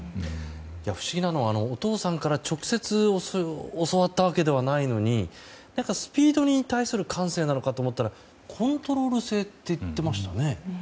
不思議なのはお父さんから直接教わったわけではないのにスピードに対する感性なのかと思ったらコントロール性って言ってましたよね。